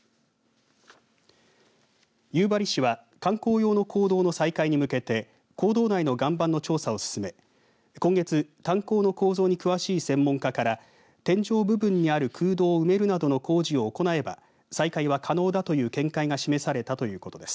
夕張市は、観光用の坑道向けの再開に向けて坑道内の岩盤の調査を進め、今月炭鉱の構造に詳しい専門家から天井部分にある空洞を埋めるなどの工事を行えば再開は可能だという見解が示されたということです。